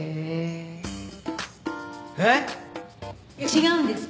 違うんですか？